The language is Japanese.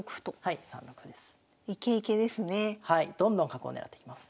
どんどん角を狙っていきます。